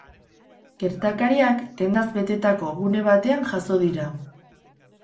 Gertakariak dendaz betetako gune batean jazo dira.